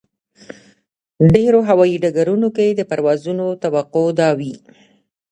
ډېرو هوایي ډګرونو کې د پروازونو توقع دا وي.